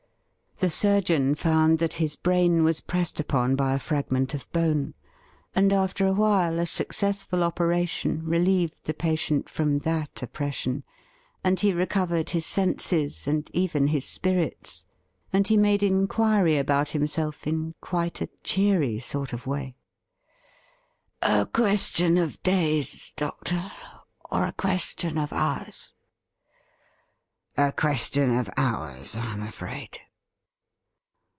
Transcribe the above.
The surgeon found that his brain was pressed upon by a frag ment of bone, and after a while a successful operation THE RING RETURNED Sll relieved Jhe. patient from that oppression, and he recovered his senses, and even his spirits, and he made inquiry about himself jn quite a cheery sort of way :' A question of days, doctor, or a question of hours ?' A question of hours, I am afraid.'